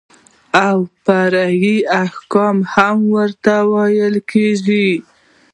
او فرعي احکام هم ورته ويل کېږي.